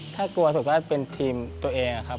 ถ้ากลัวสุดว่าเป็นทีมตัวเองอะครับ